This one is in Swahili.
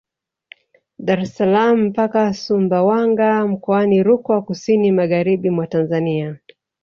Dar es salaam mpaka Sumbawanga mkoani Rukwa kusini magharibi mwa Tanzania